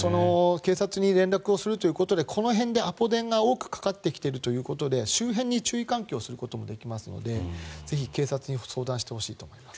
警察に連絡をするということでこの辺でアポ電が多くかかってきているということで周辺に注意喚起することもできるのでぜひ警察に相談してほしいと思います。